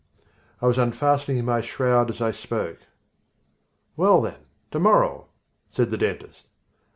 I was unfastening my shroud as I spoke. "Well, then, to morrow," said the dentist.